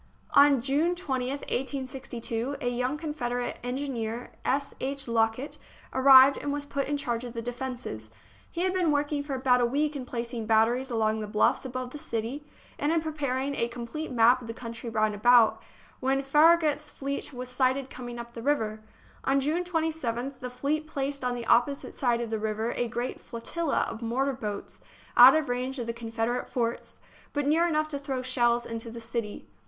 On June 20th, 1862, a young Confederate en gineer, S. H. Lockett, arrived, and was put in charge of the defences. He had been working for about a week in placing batteries along the bluffs above the city, and in preparing a complete map of the country round about, when Farragut's fleet was sighted coming up the river. On June 27th the fleet placed on the opposite side of the river a great flotilla of mortar boats, out of range of the Confederate forts, but near enough to throw shells into the city.